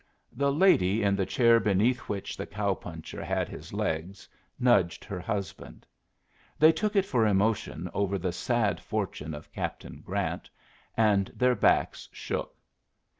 The lady in the chair beneath which the cow puncher had his legs nudged her husband. They took it for emotion over the sad fortune of Captain Grant, and their backs shook.